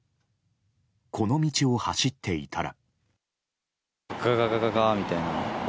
この道を走っていたら。